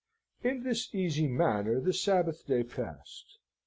In this easy manner the Sabbath day passed.